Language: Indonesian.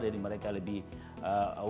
jadi mereka lebih